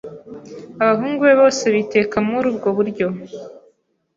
Abahungu be bose biteka muri ubwo buryo